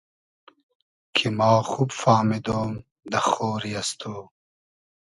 کی ما خوب فامیدۉم دۂ خۉری از تو